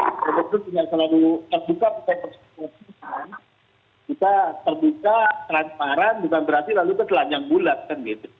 tentu saja dengan selalu terbuka kita terbuka transparan bukan berarti lalu kecelanjang bulat kan gitu